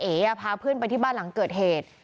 พาเพื่อนไปที่บ้านหลังเกิดเหตุ